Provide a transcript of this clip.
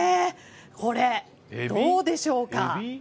これ、どうでしょうか。